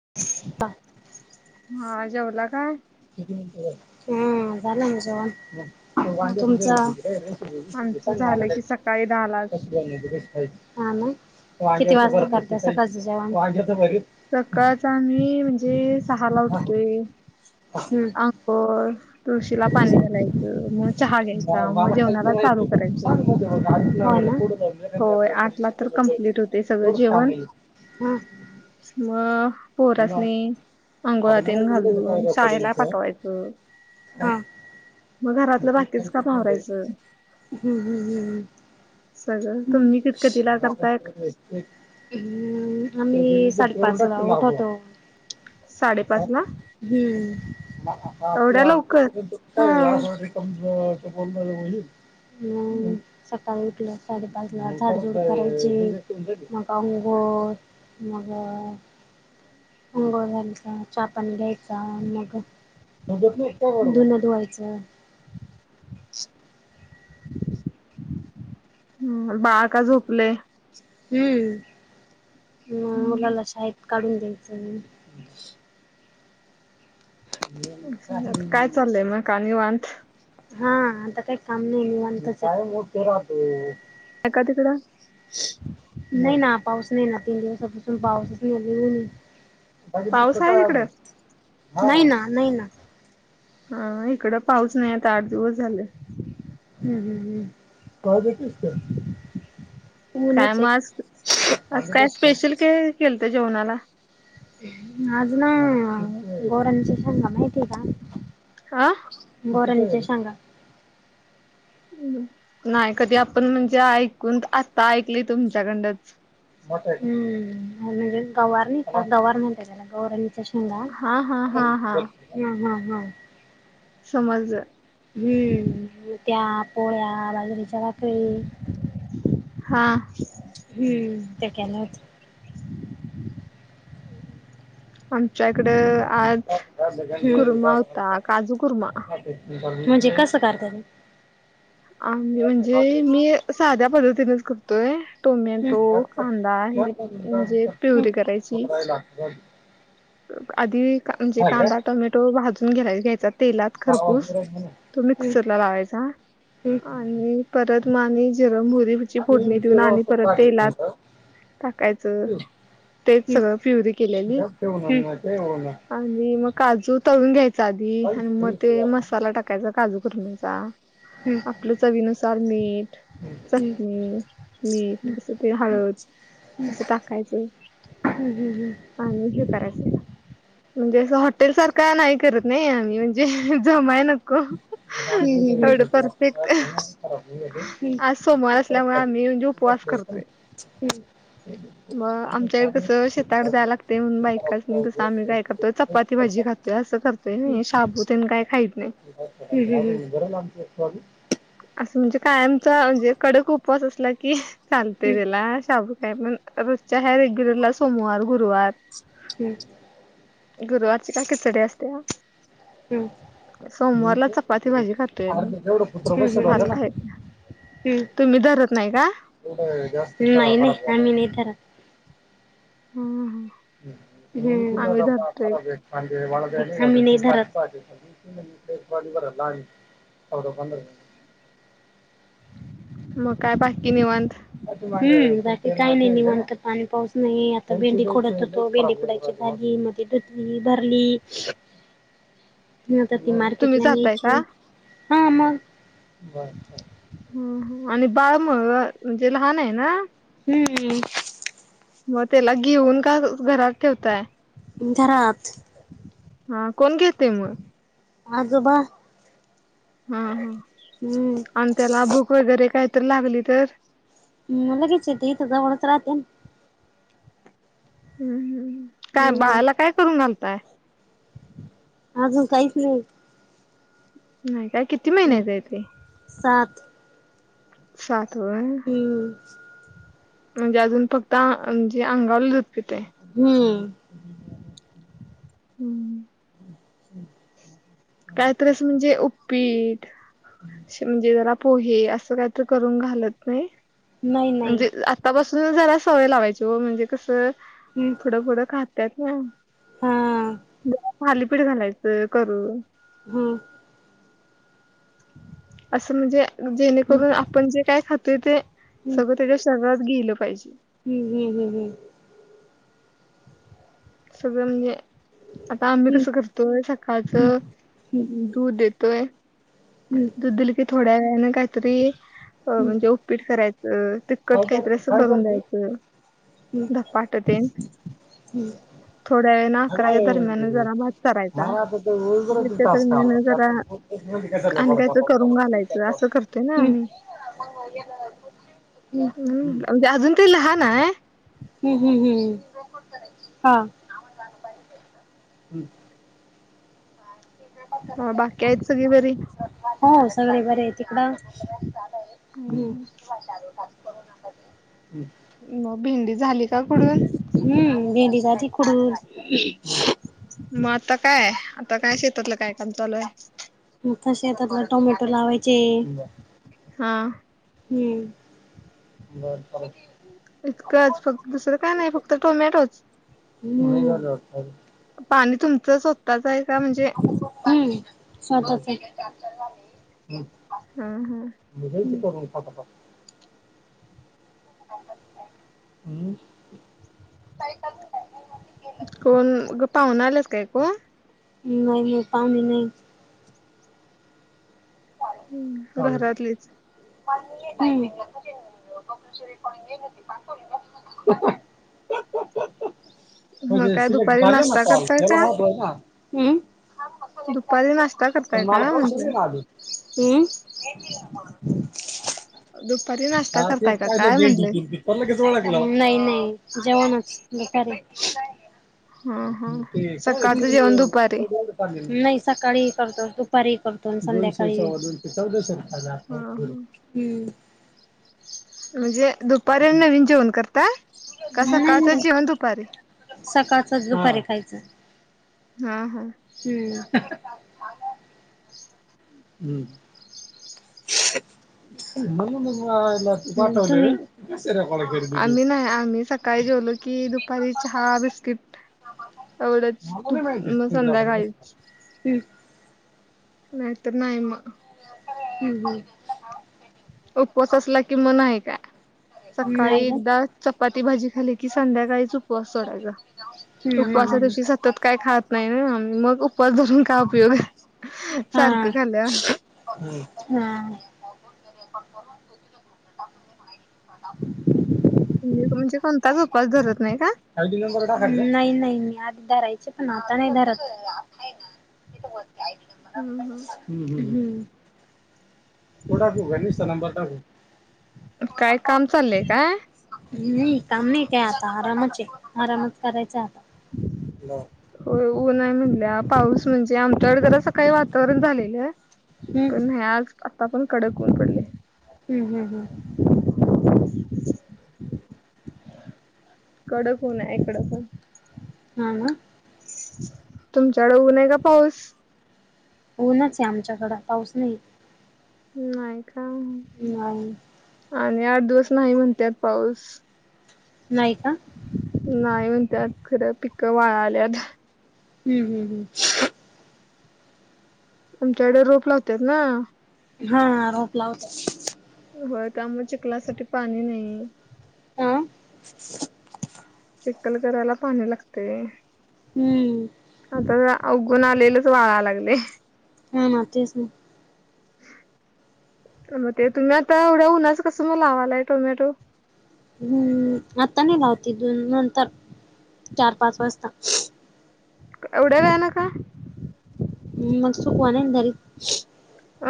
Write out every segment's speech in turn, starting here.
[unintelligible] हा जेवला काय? हा झालं जेवाणं हम्म. तुमचा आमचं झालं की सकाळी दहालाच. हा ना किती हो. वाजता करताय सकाळचं जेवाणं सकाळच आम्ही म्हणजे सहा ला हा. उठतोय हम्म [inaudible] तुळशीला पाणी घालायचं, मग चहा घ्यायचा म- मग मला खायचं जेवणाला नाही चालू ते. तू करायचं [inaudible] होय आठ ला पडीने तर गेलं जाईल कंप्लिट होतंय सगळं तेवढंच काम जेवण होईल हा मग मग पोरसनी आता अंघोळ्या मला तेन इकडे काय घालून शाळेला रेकॉर्डिंगचं पाठवायचं हा मग घरातलं बाकीचं काम आवरायचं हम् हम् हम्. सगळं तुम्ही कित कितिला करताय? हम्म आम्ही साडेपाचला उठंतो. साडेपाच ला ह् आप एवढ्या आपला. लवकर? [inaudible] उठलं साडेपाच ला झाडझोड करायची मग अंघोळ मग अंघोळ झाली का चा पाणी घ्यायचा मग धुणं धुवायचं हम बाळ काय झोपलय हम्म मुलाला शाळेत काढून द्यायचं काही अ काय चालय मग का निवांत हा आता काही काम नाही निवांतच मोठे राहते हाय का तिकडं नाही ना पाऊस नाही ना तीन दिवसांपासून पाऊस पाऊस आहे तिकडं? नाही ना नाही ना हा इकडं पाऊस नाही आता आठ दिवस झालं हम् हम हम् काय मग आज आज काय सांगितच स्पेशल का? काय केलतं जेवणाला आज ना गोरांच्या शेंगा माहितीए का हा गोरांच्या शेंगा नाही कधी आपण म्हणजे ऐकून आता ऐकली तुमच्याकडनंच ह्म्म गवार म्हणतात त्याला गवार च्या शेंगा हा हा त्याल हा हा ह हम हम हम समजलं हम्म त्या पोळ्या बाजरीच्या भाकरी हा हम्म ते केलं होत आमच्याकडं आज कुरमा होता काजू कुर्मा म्हणजे कसं करता ते आ म्हणजे मी साध्या पद्धतीनेच करतोय हम्म टोमॅटो हम्म. कांदा हेचि म्हणजे प्युरी करायची लागत आधी म्हणजे कांदा टोमॅटो भाजून घेय घ्यायचा तेलात खरपूस तो मिक्सरला लावायचा आणि परत मग आणि जिरं मोहरीची फोडणी देऊन आणि परत तेलात टाकायचं तेच सगळं प्युरी केलेली हो हो आणि मग काजू तळून घ्यायचा आधी आणि मग ते मसाला टाकायचा काजूकरीचा. आपल्या चवी नुसार मीठ हम्म चटणी, मीठ असं ते हळद असं टाकायचं. हम् हम् हम् [unintelligible] म्हणजे असं हॉटेल सारखा नाही करत नाही आम्ही म्हणजे जमाय नको [inaudible] एवढं परफेक्ट आज सोमवार असल्यामुळे आम्ही म्हणजे उपवास करतोय. हम् मग आमच्याकडे कसं शेताकडे जाय लागते म्हणून बा एकाच नाही होतो कसं आम्ही काय करतो चपाती भाजी खातो. ते ना असं करतोय नाही शाबू तेन काही खात नाही. हम हम हम असं म्हणजे कायमचा म्हणजे कडक उपवास असला की चालते हम्म त्याला शाबू का पण रोजच्या ह्या रेग्युलरला सोमवार, गुरुवार हम्म [unintelligible] गुरुवारची काय खिचडी असत्या. हम्म हम्म. सोमवारला चपाती भाजी खाते मी अर्ध जेवढं कुत्र बसलं होतं भात ना खायच, तुम्ही धरत नाही का? नाही नाही आम्ही नाही धरत. [unintelligible] आम्ही धरतोय आम्ही नाही धरत. [unintelligible] मग काय बाकी निवांत? हम बाकी काही नाही नि म्हणत पाणी पाऊस नाही आता भेंडी खोडात होतो भेंडी खुडायची झाली. [unintelligible] [inaudible] म आता ती तुम्ही मार्केटला जाताय का नेहची हा मग. ह आणि बाळ मग म्हणजे लहान आहे ना. हम्म. मग त्याला घेऊन का घरात ठेवताय. घरात हा कोण घेतेते मग? आजोबा. हा हा हम्म आणि त्याला भूक वगैरे काय तर लागली तर? ह लगेच येते इथं जवळच राहते ना. हम् काय बाळाला हम्म काय करून घालताय? अजून काहीच नाही. नाही काय किती महिन्याच आहे तेे? सात सात वयं. हम्म म्हणजे अजून फक्त म्हणजे अंगावर दूध पित. हम्म हम्म हम् कायतरी अस म्हणजे उपीट म्हणजे जरा पोहे असं काय तर करून घालत नाही नाही नाही म्हणजे आतापासून जरा सवय लावायची म्हणजे कसं. हम्म थोडं थोडं खातात ना हा खालीपीठ घालायचं करून. हम्म असं म्हणजे जेणेकरून आपण जे काय खातोय ते हम्म सगळं त्याच्या शरीरात गेलं पाहिजे. हम्म हम् हम् हम. सगळं म्हणजे आता आम्ही हम्म कसं करतोय हम्म सकाळचं हम्म दूध देतोय हम्म दूध दिलं की थोड्या वेळने काहीतरीअ हम्म म्हणजे, पीट करायचं तिक कट काय कर काहीतरी असं काय करून करती? द्यायचं हम्म धपाटेतेन. हम्म! [unintelligible] [unintelligible] हम अकराच्या दरम्यान जरा भात करायचा. दीडच्या दरम्यान जरा आणि काहीतरी करून घालायचं असं करतोय ना आम्ही. [unintelligible] हम्म म्हणजे अजून ते लहान आहे. हम्म हम्म हम्. हा हम्म हो बाकी आहेत सगळी बरी. हो सगळे बरे तिकड. हम्म मग भेंडी झाली. का कुडून? हम्म, भेंडी, भाजी खुडून. मग आता काय आता काय शेतातलं काय काम चालू आहे. [unintelligible] तर आपला टोमॅटो लावायचे हा. हम्म, बर इतकंच फक्त दुसरं काय नाही फक्त टोमॅटोच. हम. पाणी तुमचं स्वतःचं आहे का म्हणजे, हम स्वतःच आहे. हा हा. मजे करून [unintelligible] [unintelligible] हम् [unintelligible] कोण आग पाहुणा आलात काय कोण? नाही नाही पाहुणे नाही. घरातलीच चालेल. हम. ह [inaudible] [inaudible] म्हणजे काय सिलेक्ट दुपारी झाले ना नाश्ता कॉल करताय त्या्याला का? महत आहे ना. हम दुपारी नाष्टा करताय का म्हंटलं. हम. [unintelligible] दुपारी नाष्टा हा ते करताय का पाहिलं काय भेंडी म्हणलं. गिंडी नाही नाही जेवणच दुपारी. हा हा ते काय. सकाळचं जेवण दुपारी नाही सकाळी करतो दुपारीही करतो संध्याकाळी चौ हा हा. हम. म्हणजे दुपारी हम्म. नवीन जेवण करता. का नाही सकाळचं नाही जेवण दुपारी सकाळच दुपारी खायचं. हा हा. हम्म, हम्. [unintelligible] [unintelligible] आम्ही नाही आम्ही सकाळी जेवलो की दुपारी चहा बिस्किट. एवढंच तूप मग संध्याकाळील. हम्. नाही तर नाही म. [unintelligible] हम्म हम. उपवास असला कि म नाही काय, हम्म सकाळी नाही ग. एकदा चपाती भाजी खाली की संध्याकाळीच, उपवास सोडायचा, हम्म हम्म उपवासा हम्म. दिवशी स त्यात काय खात नाही ना मग उपवास धरून काय उपयोग, सारखं खाल्ल्यावर? हम्म हम्. म्हणजे कोणताच उपास धरत नाही काय? नाही नाही मी आधी धरायचे, पण आता नाही धरत. ते [unintelligible] हम्म हम. हम् हम हम. तो टाकू का, नुसता नंबर टाकु? काय काम चालेय काय? मि नाही काम काय आता, आरामच ये आरामच करायचा आता. हो नाही म्हणल्या पाऊस म्हणजे आमच्याकड जरा सकाळी वातावरण झालेलं. पण हे आज आता पण कडक ऊन पडलय. हम् हम् हम. कडक ऊन आहे इकडं पण. हा ना? तुमच्याकड ऊन हाय का पाऊस? ऊनच आहे, आमच्याकड पाऊस नाही. नाही का? नाही. आणि आठ दिवस नाही म्हणत्यात, पाऊस. नाही का? नाही म्हणत्यात, खरं पिकं वाळाल्यात. हम्म हम् हम. आमच्याकडे रोप लावत्यात ना. हा रोप लावतात. होय त्यामुळ चिखलासाठी पाणी नाही. ह [inaudible] चिखल करायला पाणी लागतेय. हम्म. आता आवगुण आलेलेच वाळाया लागलेय. हा ना, तेच ना. [inaudible] त मग ते तुम्ही आता एवढ्या उन्हाच कसं मग लावालाय टोमॅटो? हम्म आता नाही लावते, दोन नंतर चार-पाच वाजता. एवढ्या वेळान का? हम् मग सुकवा नाईना धरत.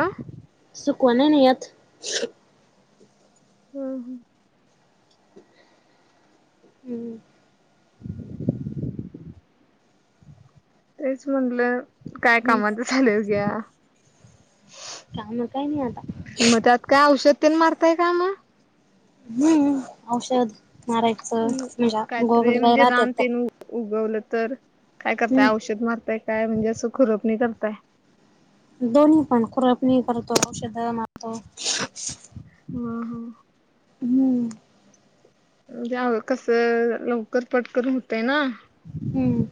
अं? सुकवा नाहीना येत. हम हम. हम्म. तेच म्हटलं काय हम्म कामाच चालु बघूया. काम काय नाही आता मग त्यात काय औषध तेन मारताय काय मग? हम्म औषध मारायचं म्हज्या काहीतरी गोगलगायी म्हणजे राहत्यात रान तर. तेन उगवलं तर काय हम्म करताय, औषध मारताय काय म्हणजे असं खुरपणी करताय? दोन्ही पण खुरपनी करतोय औषध मारतो. ह ह. हम. म्हणजे कसं, लवकर पटकर होतय ना. हम्म.